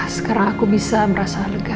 hai sekarang aku bisa merasa lega